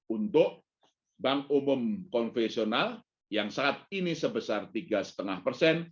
untuk bank umum konvensional yang saat ini sebesar tiga lima persen